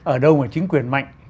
ở đâu mà chính quyền mạnh